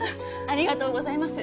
ありがとうございます。